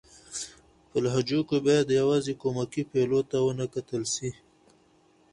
په لهجو کښي بايد يوازي کومکي فعلو ته و نه کتل سي.